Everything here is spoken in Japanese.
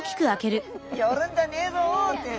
寄るんじゃねえぞって。